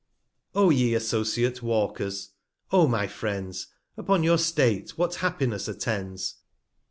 O ye associate Walkers, O my Friends, Upon your State what Happiness attends!